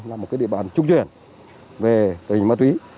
là một địa bàn trung chuyển về tình hình ma túy